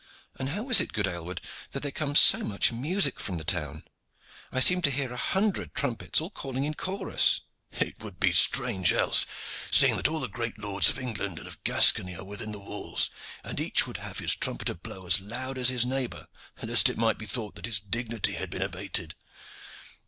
"And how is it, good Aylward, that there comes so much music from the town? I seem to hear a hundred trumpets, all calling in chorus." "It would be strange else, seeing that all the great lords of England and of Gascony are within the walls, and each would have his trumpeter blow as loud as his neighbor, lest it might be thought that his dignity had been abated.